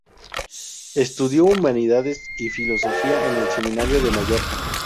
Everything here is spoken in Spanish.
Estudió humanidades y filosofía en el Seminario de Mallorca.